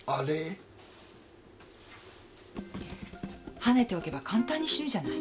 ハネておけば簡単に死ぬじゃない。